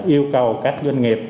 yêu cầu các doanh nghiệp